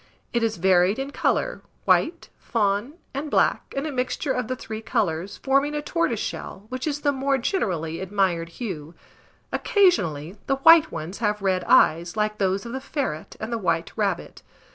It is varied in colour, white, fawn, and black, and a mixture of the three colours, forming a tortoiseshell, which is the more generally admired hue. Occasionally, the white ones have red eyes, like those of the ferret and the white rabbit.